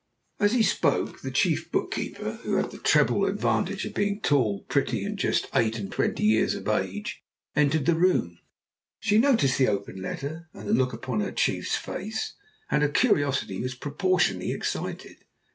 As he spoke, the chief bookkeeper, who had the treble advantage of being tall, pretty, and just eight and twenty years of age, entered the room. She noticed the open letter and the look upon her chief's face, and her curiosity was proportionately excited.